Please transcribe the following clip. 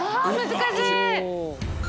難しい。